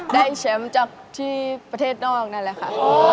ได้แชมป์จากที่ประเทศนอกนั่นแหละค่ะ